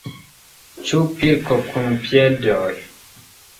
Ĉu pilko kun piedoj?